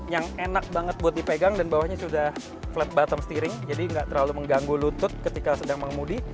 yang enak banget buat dipegang dan bawahnya sudah flat bottom steering jadi nggak terlalu mengganggu lutut ketika sedang mengemudi